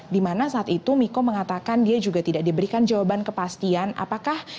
dimana saat itu miko mengatakan dia juga tidak diberikan jawaban kepastian apakah